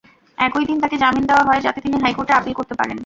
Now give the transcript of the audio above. একই দিন তাঁকে জামিন দেওয়া হয়, যাতে তিনি হাইকোর্টে আপিল করতে পারেন।